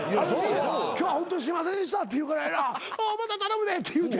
今日はホントにすいませんでしたって言うからやなまた頼むでって言うたよな。